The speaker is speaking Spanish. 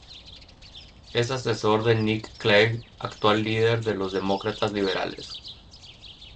Es asesor de Nick Clegg actual líder de los Demócratas Liberales.